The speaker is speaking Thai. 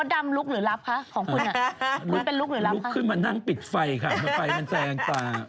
ถ้ามีอย่างนี้๒ปีจะไปหลุดเลยเอาตรง